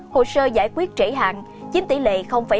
hồ sơ giải quyết trễ hạn chiếm tỷ lệ ba mươi một